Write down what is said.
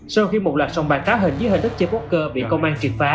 sau khi một loạt sòng bàn cá hình với hình thức chơi poker bị công an triệt phá